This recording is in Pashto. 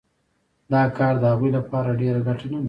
دا کار د هغوی لپاره ډېره ګټه نلري